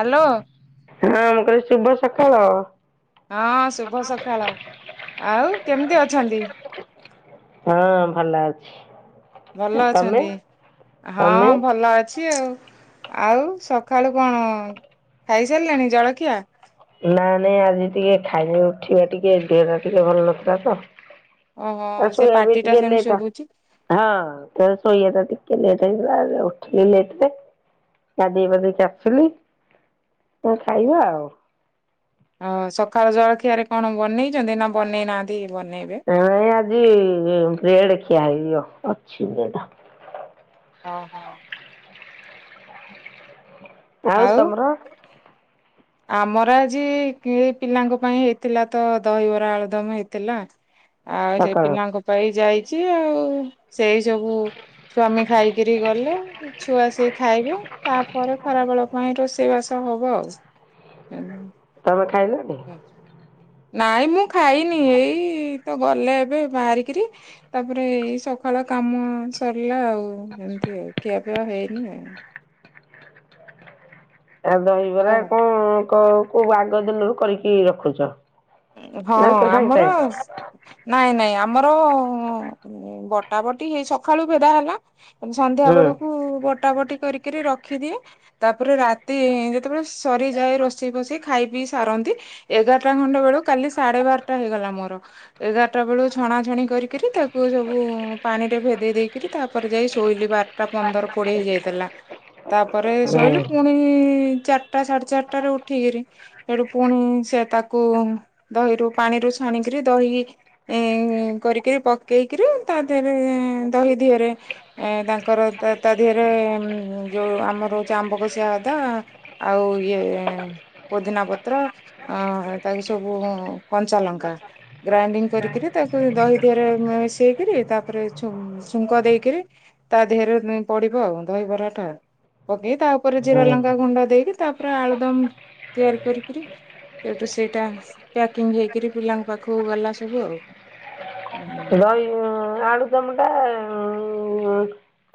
Hello. ହଁ ମୁଁ କହିଲି ଶୁଭ ସକାଳ। ହଁ ଶୁଭ ସକାଳ ଆଉ କେମିତି ଅଛନ୍ତି? ହଁ ଭଲ ଅଛି। ଭଲ ତମେ ଅଛନ୍ତି ହଁ ତମେ? ଭଲ ଅଛି ଆଉ। ଆଉ ସକାଳୁ କଣ ଖାଇସାରିଲେଣି ଜଳଖିଆ? ନା ନାଇଁ ଆଜି ଟିକେ ଖାଇଵା ଉଠିବା ଟିକେ ଦେହ ଟା ଟିକେ ଭଲ ନଥିଲା ତ ଓହୋ ଆଉ ସେ ଶୋଇବା ବି ପାଟି ଟା ଟିକେ ସେମିତି ଲେଟ। ଶୁଭୁଛି। ହଁ ତ ସୋଇବା ଟିକେ ଲେଟ୍ ହେଇଗଲା ଏବେ ଉଠିଲି ଲେଟ ରେ ଗାଧେଇ ପାଧେଇକି ଆସିଲି ତ ଖାଇବା ଆଉ। ଓ ସକାଳ ଜଳଖିଆରେ କଣ ବନେଇଛନ୍ତି ନା ବନେଇ ନାହାନ୍ତି ବନେଇବେ। ନାଇ ଆଜି ବ୍ରେଡ ଖିଆ ହେଇଛି ଅଛି ଯୋଉଟା। ଓହୋ। ଆଉ ତମର? ଆମର ଆଜି କି ପିଲାଙ୍କ ପାଇଁ ହେଇଥିଲା ତ ଦହିବରା ଆଳୁଦମ ହେଇଥିଲା। ଆଉ ସେ ସକାଳ ପିଲାଙ୍କ ପାଇଁ ଯାଇଛି ଆଉ ସେଇ ସବୁ। ସ୍ୱାମୀ ଖାଇକିରି ଗଲେ ଏ ଛୁଆ ସେଇ। ଖାଇବେ ତାପରେ ଖରାବେଳ ପାଇଁ ରୋଷେଇ ବାସ ହବ ଆଉ। ତମେ ଖାଇବନି? ହ ନାଇଁ ମୁଁ ଖାଇନି ଏଇ ତ ଗଲେ ଏବେ ବାହାରିକିରି। ତାପରେ ଏଇ ସକାଳ କାମ ସରିଲା ଆଉ ଏମିତି ଖିଆପିଆ ହେଇନି ଆଉ। ଆ ଦହିବରା ଆଉ କଣ କ କୋଉ ଆଗ ଦିନରୁ କରିକି ରଖୁଛ। ହଁ ସାଙ୍ଗେ ସାଙ୍ଗେ? ଆମର ନାଇଁ ନାଇଁ ଆମର ବଟା ବଟି ହେଇ ସକାଳୁ ଭେଦା ହେଲା। ସନ୍ଧ୍ୟା ହୁଁ ବେଳକୁ ବଟା ବଟି କରିକିରି ରଖିଦିଏ। ତାପରେ ରାତି ଯେତେବେଳେ ସରିଯାଏ ରୋଷେଇ ଫୋଷେଇ ଖାଇ ପିଇ ସାରନ୍ତି। ଏଗାରଟା ଖଣ୍ଡେ ବେଳୁ କାଲି ସାଢେ ବାରଟା ହେଇଗଲା ମୋର। ଏଗାରଟା ବେଳୁ ଛଣା ଛଣି କରିକିରି ତାକୁ ସବୁ ପାଣିରେ ଭେଦେଇ ଦେଇକରି ତାପରେ ଯାଇ ଶୋଇଲି ବାର ଟା ପନ୍ଦର କୋଡିଏ ହେଇଯାଇଥିଲା। ତାପରେ ଶୋଇଲି ପୁଣି ଚାରିଟା ସାଢେ ଚାରିଟା ରେ ଉଠିକିରି। ଏଠୁ ପୁଣି ସେ ତାକୁ ଦହିରୁ ପାଣିରୁ ଛାଣିକିରି ଦହି। ଏ କରିକି ପକେଇକିରି ତା ଦେହରେ ଦହି ଦେହରେ। ଏ ତାଙ୍କର ତା ତା ଦେହରେ ଯୋଉ ଆମର ହଉଛି ଆମ୍ବ କସିଆ ଅଦା। ଆଉ ଇଏ ପୋଦିନା ପତ୍ର ଅ ତାକୁ ସବୁ ଆଉ କଞ୍ଚା ଲଙ୍କା। ଗ୍ରାଇଣ୍ଡିଙ୍ଗ କରିକିରି ତାକୁ ଦହି ଦିହରେ ମିଶେଇକରି ତାପରେ ଯୋ ଛୁଙ୍କ ଦେଇକିରି ତା ଦେହରେ ପଡିବ ଆଉ ଦହିବରାଟା। ପକେଇ ତା ଉପରେ ଜିରା ଲଙ୍କା ହୁଁ ଗୁଣ୍ଡ ଦେଇକି ତାପରେ ଆଳୁଦମ ତିଆରି କରିକିରି। ସେଠୁ ସେଇଟା ପ୍ୟାକିଂ ହେଇକିରି ପିଲାଙ୍କ ପାଖକୁ ଗଲା ସବୁ ଆଉ। ହୁଁ ନହେଲେ ଉ ଆଳୁ ଦମ ଟା ଉ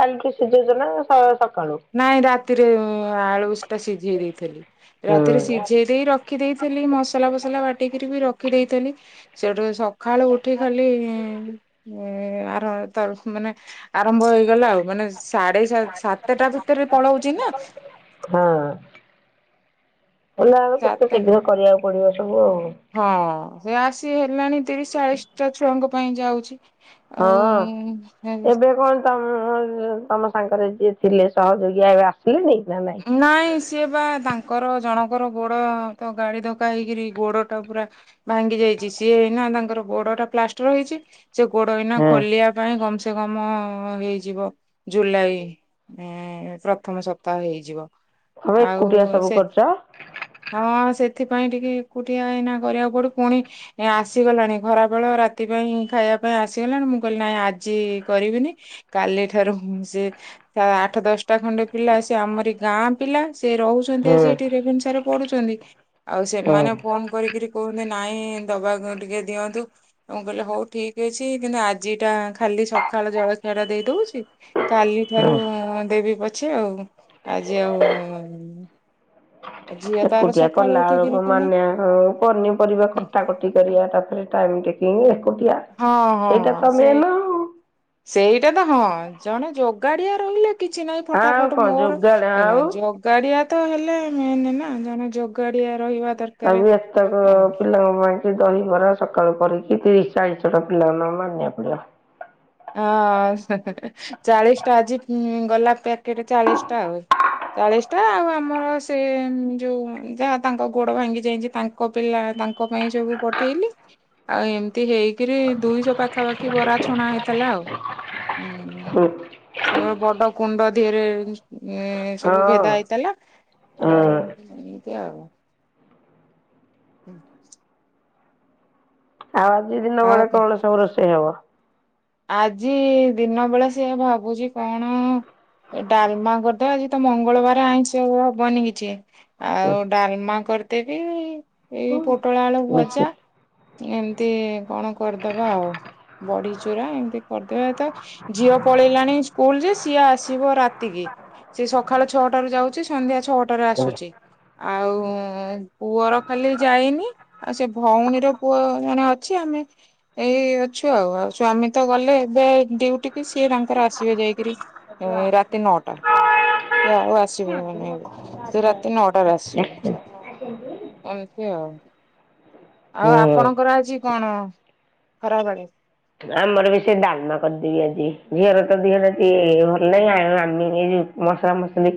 କାଲିକି ସିଝେଇଛ ନା ସକାଳୁ। ନାଇଁ ରାତିରେ ଆଳୁଷ ଟା ସିଝେଇ ଦେଇଥିଲି ହୁଁ ରାତିରେ ସିଝେଇ ଦେଇ ରଖ ରଖି ଦେଇଥିଲି ମସଲା ଫସଲା ବାଟିକରି ବି ରଖିଦେଇଥିଲି। ସେଠୁ ସକାଳୁ ଉଠି ଖାଲି। ଆର ତ ମାନେ ଆରମ୍ଭ ହେଇଗଲା ଆଉ ମାନେ ସାଢେ ସା ସାତ ଟା ଭିତରେ ପଳଉଛି ନା। ହଁ ହେଲେ ଆଉ କେତେ ସାତଟା ଶୀଘ୍ର କରିବାକୁ ପଡିବ ସବୁ ଆଉ। ହଁ ସେ ଆସି ହେଲାଣି ତିରିଶ ଚାଳିଶ ଟା ଛୁଆଙ୍କ ପାଇଁ ଯାଉଛି। ହଁ ଆଉ ଏବେ କଣ ତମ ତମ ସାଙ୍ଗରେ ଯିଏ ଥିଲେ ସହଯୋଗୀ ଆଉ ଆସିଲେନି ନା ନାଇଁ? ନାଇଁ ସିଏ ବା ତାଙ୍କର ଜଣଙ୍କର ଗୋଡ ତ ଗାଡି ଧକା ହେଇକିରି ଗୋଡ ଟା ପୁରା ଭାଙ୍ଗି ଯାଇଚି ସିଏ ହେଇନା ତାଙ୍କର ଗୋଡ ଟା ପ୍ଲାଷ୍ଟର ହେଇଚି। ସେ ଗୋଡ ଏଇନା ହଁ ଖୋଲିବା ପାଇଁ କମ୍ ସେ କମ ହେଇଯିବ ଜୁଲାଇ। ଉଁ ପ୍ରଥମ ସପ୍ତାହ ହେଇଯିବ। ହଁ ଆଉ ଏକୁଟିଆ ସବୁ ସେ କରୁଚ। ହଁ ସେଥିପାଇଁ ଟିକେ ଏକୁଟିଆ ଏଇନା କରିବାକୁ ପଡୁଚି ପୁଣି- ଆସିଗଲାଣି ଖରାବେଳ ରାତି ପାଇଁ ଖାଇବା ପାଇଁ ଆସିଗଲାଣି ମୁଁ କହିଲି ନାଇ ଆଜି କରିବିନି କାଲି ଠାରୁ ସେ ଆଠ ଦଶଟା ଖଣ୍ଡେ ପିଲା ଆସ ସେ ଆମରି ଗାଁ ପିଲା ସେ ରହୁଛନ୍ତି ହୁଁ ଆସି ଏଇଠି ରେଭେନ୍ସା ରେ ପଢୁଛନ୍ତି। ଆଉ ହୁଁ ସେମାନେ ଫୋନ କରିକି କୁହନ୍ତି ନାଇଁ ଦବାକୁ ଟିକେ ଦିଅନ୍ତୁ। ମୁଁ କହିଲି ହଉ ଠିକ୍ ଅଛି କିନ୍ତୁ ଆଜି ଟା ଖାଲି ସକାଳ ଜଳଖିଆ ଟା ଦେଇ ଦଉଚି। କାଲି ଠାରୁ ହୁଁ। ଦେବି ପଛେ ଆଉ। ଆଜି ଆଉ ଝିଅ ତାର ଏକୁଟିଆ ସକାଳୁ କଲା ଉଠିକିରି ଆଳକୁ କଣ ମାନେଆକୁ ପନିପରିବା କଟା କଟି କରିବା ତାପରେ ଟାଇମ ଟେ ଏଇ ଏକୁଟିଆ ହଁ ସେଇଟା ହଁ। ତ ସେଇ ମେନ- ସେଇଟା ତ ହଁ ଜଣେ ଯୋଗାଡିଆ ରହିଲେ କିଛି ନାହିଁ ଆଉ ଫଟାଫଟ କଣ ମୋର ଯୋଗାଡ଼ ଆଉ ଯୋ ଗାଡିଆ ତ ହେଲେ ମେନ ନା ଜଣେ ଯୋଗାଡିଆ ରହିବା ଦରକା ଆଉ ବି ଏତକ ପିଲାଙ୍କ ପାଇଁ ଦହିବରା ସକାଳୁ କରିକି ତିରିଶ ଚାଳିଶ ଜଣଙ୍କ ପିଲାଙ୍କ ନ ମାନିଆକୁ ପଡିବ। ହଁ ଚାଳିଶ ଟା ଆଜି ଗଲା ପ୍ୟାକେଟ ଚାଳିଶ ଟା ଆଉ। ଚାଳିଶ ଟା ଆଉ ଆମର ସେ ଯୋଉ ଯାହା ତାଙ୍କ ଗୋଡ ଭାଙ୍ଗି ଯାଇଛି ତାଙ୍କ ପିଲା ତା ତାଙ୍କ ପାଇଁ ସବୁ ପଠେଇଲି ଆଉ ଏମିତି ହେଇକିରି ଦୁଇଶହ ପାଖାପାଖି ବରା ଛଣା ହେଇ ଥିଲା ଆଉ। ହୁଁ ସେ ବଡ କୁଣ୍ଡ ଧିଏରେ ଉଁ ହଁ ସବୁ ହୁଁ। ଭେଦା ହେଇଥିଲା ଆଉ ଏମିତି ଆଉ। ହୁଁ। ଆଉ ଆଜି ଦିନ ବେଳେ କଣ ସବୁ ରୋଷେଇ ହବ? ଆଜି ଦିନ ବେଳେ ସେଆ ଭାବୁଛି କଣ ଏ ଡାଲମା କରିଦେବା ଆଜି ତ ମଙ୍ଗଳବାର ଆଇଁଷି ହବନି କିଛି। ଆଉ ଡାଲମା କରିଦେବି ଏଇ ପୋଟଳ ଆଳୁ ମିଶି ଭଜା। ଏମତି କଣ କରିଦବା ଆଉ ବଢି ଚୁରା ଏମିତି କରିଦେବା ତ ଝିଅ ପଳେଇଲାଣି ସ୍କୁଲ ଯେ ସିଏ ଆସିବ ରାତିକି। ସେ ସକାଳ ଛଅଟାରେ ଯାଉଚି ସନ୍ଧ୍ୟା ଛଅଟାରେ ଆସୁଚି। ଆଉ ପୁଅର ଖାଲି ଯାଇନି। ଆଉ ସେ ଭଉଣୀର ପୁଅ ଜଣେ ଅଛି ଆମେ ଏଇ ଅଛୁ ଆଉ ଆଉ ସ୍ଵାମୀ ତ ଗଲେ ଏବେ ଡୟୁଟିକି ସିଏ ତାଙ୍କର ଆସିବେ ଯାଇକରି ଏ ରାତି ନଅଟା। ସେ ଆଉ ଆସିବବନି ସେ ରାତି ନଅଟାରେ ଆସିବ। ଏମିତି ଆଉ। ଆଉ ହୁଁ। ଆପଣଙ୍କର ଆଜି କଣ ଖରାବେଳେ? ଆମର ବି ସେ ଡାଲମା କରିଦେବି ଆଜି ଝିଅର ତ ଦିହଟା ଟିକେ ଭଲ ନାହିଁ ଆଉ ଆମ ଯଉ ମାସଲା ମସଲି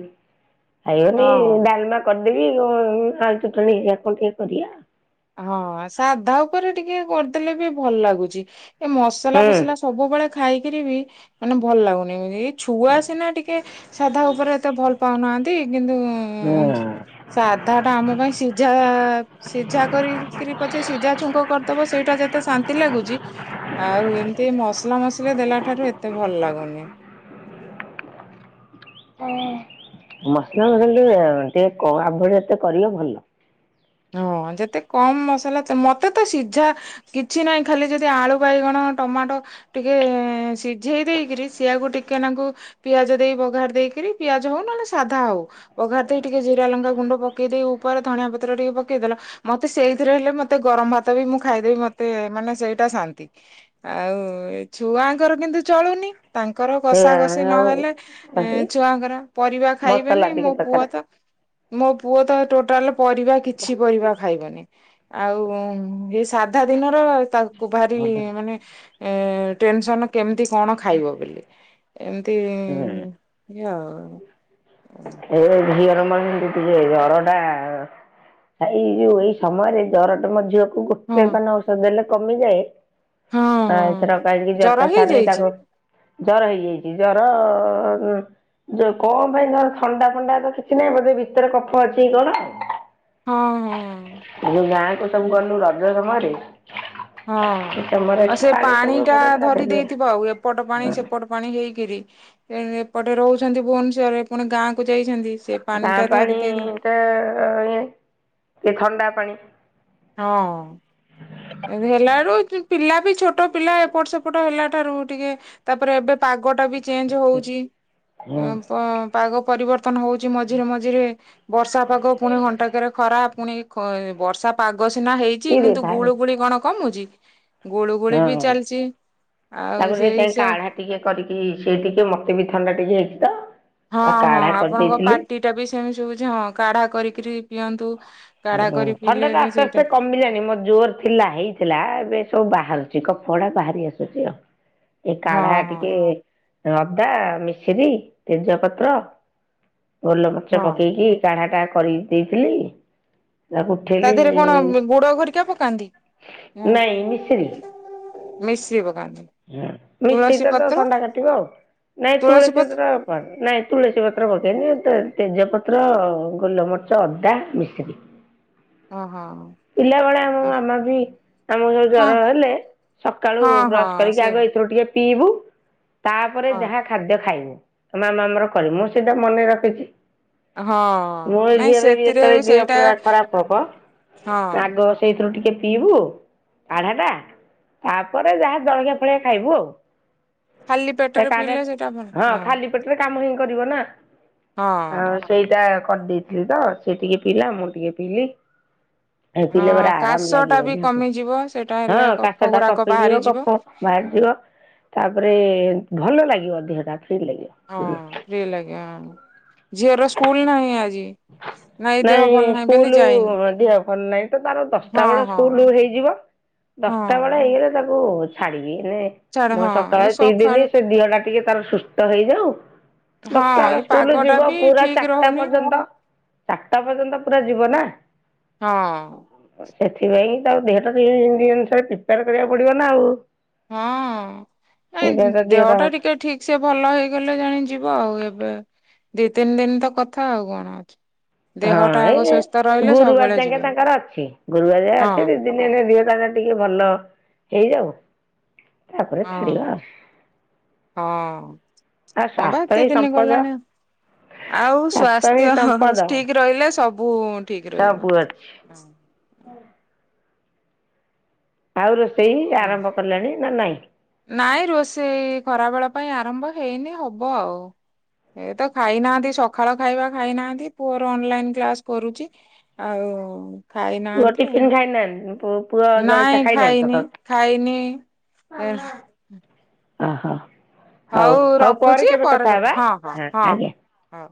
ଖାଇବନି ହଁ ଡାଲମା କରିଦେବି କ ଆଳୁ ଚୁଟଣି ହେରିକା କଣ ଟିକେ କରିଆ। ହଁ ସାଧା ଉପରେ ଟିକେ କରିଦେଲେ ବି ଭଲ ଲାଗୁଛି ଏ ମସଲା ହୁଁ ଫସଲା ସବୁବେଳେ ଖାଇକିରି ବି ମାନେ ଭଲ ଲାଗୁନି ଏଇ ଛୁଆ ସିନା ଟିକେ ସାଧା ଉପରେ ଏତେ ଭଲ ପାଉନାହାନ୍ତି କିନ୍ତୁ ଉଁ ହୁଁ ସାଧାଟା ଆମ ପାଇଁ ସିଝା ସିଝା କରିକିରି ପଛେ ସିଝା ଛୁଙ୍କ କରିଦବ ସେଇଟା ଯେତେ ଶାନ୍ତି ଲାଗୁଚି ଆଉ ଏମିତି ମସଲା ମସଲି ଦେଲା ଠାରୁ ଏତେ ଭଲ ଲାଗୁନି। ହୁଁ। ମସଲା ମସଲା ଟିକେ ଟିକେ ଆଭଳି ଏତେ କରିବ ଭଲ। ହଁ ଯେତେ କମ ମସଲା ମତେ ତ ସିଝା କିଛି ନାହିଁ ଖାଲି ଯଦି ଆଳୁ ବାଇଗଣ ଟମାଟୋ ଟିକେ ସିଝେଇ ଦେଇକିରି ସିଏଆକୁ ଟିକେ ନାଙ୍କୁ ପିଆଜ ଦେଇ ବଘାରି ଦେଇକିରି ପିଆଜ ହଉ ନହେଲେ ସାଧା ହଉ ପଘାରି ଦେଇ ଟିକେ ଜିରା ଲଙ୍କା ଗୁଣ୍ଡ ପକେଇ ଦେଇ ଉପରେ ଧଣିଆ ପତ୍ର ଟିକେ ପକେଇଦେଲ ମତେ ସେଇଥିରେ ହେଲେ ମତେ ଗରମ ଭାତ ବି ମୁଁ ଖାଇଦେବି ମତେ ମାନେ ସେଇଟା ଶାନ୍ତି। ଆଉ ଛୁଆଙ୍କର କିନ୍ତୁ ଚଳୁନି ତାଙ୍କର ସେ କଷା କଷି ଆମେ ଆଉ ନହେଲେ ଆସି ଛୁଆଙ୍କର ପରିବା ମସଲା ଖାଇବେନି ଟିକେ ମୋ ପୁଅ ଦରକାର ତ ମୋ ପୁଅ ତ ଟୋଟାଲ ପରିବା କିଛି ପରିବା ଖାଇବନି। ଆଉ ଏଇ ସାଧା ଦିନର ତାକୁ ଭାରି ମାନେ ଏ ଟେନସନ କେମିତି କଣ ଖାଇବ ବୋଲି। ଏମତି ହୁଁ ଇ ଆଉ। ଏଇ ଝିଅର ମର ଟିକେ ଜର ଟା ଏଇ ଯୋଉ ଏଇ ସମୟରେ ଜରଟା ମ ଝିଅକୁ ତାକୁ ଗୁଟେ ହଁ ପାନ ଔଷଧ ଦେଲେ କମିଯାଏ ଆ ହଁ ଏଥର କାଇକି ଜର ଜରଟା ଛାଡୁନି ହେଇଯାଇଛି ତାକୁ ଜର ହେଇଯାଇଛି ଜର ଅ କଣ ପାଇଁ ଥଣ୍ଡା ଫଣ୍ଡା ତ କିଛି ନାହିଁ ବୋଧେ ଭିତର କଫ ଅଛି କି କଣ। ହଁ ହଁ ଯୋଉ ଗାଁକୁ ସବୁ ଗଲୁ ରଜ ସମୟରେ ହଁ ସେ ସମୟରେ ଆଉ ଏଠି ସେ ପାଣି ସବୁ ପାଣିଟା ଏପଟ ସେପଟ ଧରି ଗାଧେଇଲେ ଦେଇେଇଥିବ ଆଉ ଏପଟ ପାଣି ସେପଟ ପାଣି ହେଇକିରି ଏପଟେ ରହୁଛନ୍ତି ଭୁବନେଶ୍ଵରରେ ପୁଣି ଗାଁକୁ ଯାଇଛନ୍ତି ସେ ପାଣି ଟା ଧରି ଦେଇଛି। ଏତେ ଇଏ ଏ ଥଣ୍ଡା ପାଣି। ହଁ। ଏମତି ହେଲାଏଳୁ ପିଲାବି ଛୋଟ ପିଲା ଏପଟ ସେପଟ ହେଲା ଠାରୁ ଟିକେ ତାପରେ ଏବେ ପାଗଟା ବି ଚେଞ୍ଜ ହଉଛି। ପାଗ ପରିବର୍ତ୍ତନ ହଉଛି ମଝିରେ ମଝିରେ। ବର୍ଷା ପାଗ ପୁଣି ଘଣ୍ଟାକରେ ଖରା ପୁଣି ବର୍ଷା ପାଗ ସିନା ହେଇ ଅଛି କିଏ କିନ୍ତୁ ଦେଇଥାଏ ଗୁଳୁ ଗୁଳି କଣ କମୁଛି। ଗୁଳୁ ଗୁଳି ହଁ ବି ଚାଲିଛି ଆଉ ତାକୁ ସେଇ ସେଇଥିପାଇଁ ହିସାବ କାଢା ଟିକେ କରିକି ସେଇ ଟିକେ ମତେ ବି ଥଣ୍ଡା ଟିକେ ହେଇଛି ତ। ହଁ ତା ହଁ କାଢା ଆପଣଙ୍କ କରିଦେଇଥିଲି ପାଟି ଟା ବି ସେମିତି ସୁବୁଛି ହଁ କାଢା କରିକରି ପିଅନ୍ତୁ। କାଢା କରି ପିଇଲେ ଥଣ୍ଡା ଟା ହେଲେ ଆସ୍ତେ ସେଇଟା ଆସ୍ତେ କମିଲାଣି ମୋ ଜୋର ଥିଲା ହେଇଥିଲା ଏବେ ସବୁ ବାହାରୁଛି କଫ ଗୁଡା ବାହାରି ଆସୁଛି ଆଉ। ଏ ହଁ କାଢା ହଁ ଟିକେ ଅଦା ମିଶରି ତେଜପତ୍ର ଗୋଲମରିଚ ହଁ ପକେଇକି କାଢାଟା କରି ଦେଇଥିଲି। ତାକୁ ତା ଉଠେଇଲି ଦେହରେ କଣ ଗୁଡ ଘରିକା ପକାନ୍ତି ନାଇଁ ହଁ। ମିଶିରି ମିଶିରି ପକାନ୍ତି। ମିଶିରି ତୁଳସୀ ଟାତ ପତ୍ର ଥଣ୍ଡା କାଟିବ ଆଉ ନାଇଁ ତୁଳସୀ ରସ ଟା ନାଇଁ ତୁଳସୀ ପତ୍ର ପକେଇନି ତେଜପତ୍ର ଗୋଲମରିଚ ଅଦା ମିଶିକି। ଓ ହଁ। ପିଲାବେେଳେ ଆମ ମାମା ବି ଆମକୁ କୁ ହଁ ଜର ହେଲେ ସକାଳୁ ହଁ ବ୍ରଶ ହଁ କରିକି ସେ ଆଗ ଏଥିରୁ ଟିକେ ପିଇବୁ ତାପରେ ହଁ ଯାହା ଖାଦ୍ୟ ଖାଇବୁ ମାମା ଆମର କରେ ମୁଁ ସେଇଟା ମନେ ରଖିଛି। ମୋ ହଁ ନାଇଁ ଝିଅର ବି ସେଥିରେ ଯେତେବେଳେ ଦିହ ସେଇଟା ପିଅ ଖରାପ ହବ ହଁ ଆଗ ସେଇଥିରୁ ଟିକେ ପିଇବୁ କାଢ଼ାଟା ତାପରେ ଯାହା ଜଳଖିଆ ଫଳିଖିଆ ଖାଇବୁ ଆଉ। ଖାଲି ସେ ପେଟରେ କାଢ଼ା ପିଇଲେ ସେଇଟା ଭଲ ହଁ। ପେଟରେ କାମ ସବୁ କରିବନା ଆ ହଁ ସେଇଟା କରିଦେଇଥିଲି ତ ସେ ଟିକେ ପିଇାଲା ମୁଁ ଟିକେ ପିଇଲିି। ଏ ପିଲେ ହଁ ପରା ଆରାମ କାଶ ଟା ଲାଗିବ ବି ଦେହକୁ କମିଯିବ ସେଇଟା ହେଲେ ହଁ କଫ କାଶଟା ଗୁରାକ କଟିଯିବ ବାହାରିଯିବ କଫ ବାହାରିଯିବ। ତାପରେ ଭଲ ଲାଗିବ ଦେହଟା ଫ୍ରି ଲାଗିବ। ହଁ ଫ୍ରି ଲାଗେ ଆଉ ଝିଅର ସ୍କୁଲ ନାହିଁ ଆଜି। ଦେହ ନାଇଁ ଭଲ ନାହିଁ ବୋଲି ସ୍କୁଲ ଯାଇନି ଦେହ ଭଲ ନାହିଁ ତ ତାର ଦଶଟା ହଁ ବେଳେ ହଁ ସ୍କୁଲ ହେଇଯିବ। ହଁ ଦଶଟା ବେଳେ ହେଇଗଲେ ତାକୁ ଛାଡିବି ମାନେ ଛାଡ ମୁଁ ହଁ ସକାଳେ ଏଇ ଦତି ସକାଳୁ ଦିନ ସେ ଦିଘ ଟିକେ ତାର ସୁସ୍ଥ ହେଇଯାଉ। ଦଶଟା ହଁ ବେଳ ଏଇ ସ୍କୁଲ ପାଗ ଟା ଯିବ ବି ପୁରା ଠିକ ଚାରିଟା ରହୁନି ପର୍ଯ୍ୟନ୍ତ ଚାରଟା ପର୍ଯ୍ୟନ୍ତ ପୁରା ଯିବ ନା। ହଁ। ସେଥିପାଇଁ ତରଉ ଦେହଟା ସେଅନୁସାରେ ପ୍ରିପେୟାର କରିବାକୁ ପଡିବ ନା ଆଉ। ହଁ ସେଇଟା ନାଇଁ ତା ଦେହ ଦିହଟା ଟା ହଁ ଟିକେ ଠିକ୍ ସେ ଭଲ ହେଇଗଲେ ଜାଣି ଯିବ ଆଉ ଏବେ ଦି ତିନି ଦିନ ତ କଥା ଆଉ କଣ ଅଛି। ହଁ ଦେହଟା ଆଗ ଏଇ ସୁସ୍ଥ ରହିଲେ ଗୁରୁବାର ସବୁବେଳେ ଯାଙ୍କେ ଯିବା ତାଙ୍କର ଅଛି ଗୁରୁବାର ଯାଏ ଅଛି ହଁ। ଦି ଏଇନେ ଦିହଟା ତାର ଟିକେ ଭଲ ହେଇଯାଉ। ତାପରେ ହଁ ଛାଡିବା ଆଉ। ହଁ ଆଉ ହଁବା ସ୍ୱାସ୍ଥ୍ୟ ଏତେ ହିଁ ଦିନ ସମ୍ପଦ ଗଲାଣି ଆଉ ଆଉ ହିଁ ସ୍ୱାସ୍ଥ୍ୟ ସମ୍ପଦ। ଠିକ୍ ରହିଲେ ସବୁ ଠିକ୍ ରହିବ। ସବୁ ଅଛି ଆଉ ରୋଷେଇ ଆରମ୍ଭ କଲଣି ନା ନାହିଁ। ନାଇଁ ରୋଷେଇ ଖରା ବେଳ ପାଇଁ ଆରମ୍ଭ ହେଇନି ହବ ଆଉ। ଏ ତ ଖାଇନାହାନ୍ତି ସକାଳ ଖାଇବା ଖାଇନାହାନ୍ତି ପୁଅର ଅନଲାଇନ କ୍ଳାସ କରୁଛି। ଆଉ ପୁଅ ଖାଇନାହାନ୍ତି ଆଉ ଟିଫିନ ଖାଇ ନାହାନ୍ତି ପୁ ନାଇଁ ଖାଇନି ଖାଇନି ଏ ଓହୋ। ହଉ ରଖୁଛି ପରେ କଥା ହଁ ହଁ ହଁ ହଉ।